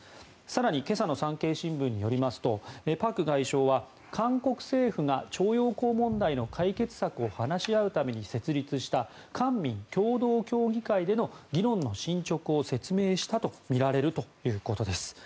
更に今朝の産経新聞によりますとパク外相は韓国政府が徴用工問題の解決策を話し合うために設立した官民共同協議会での議論の進ちょくを説明したとみられるということです。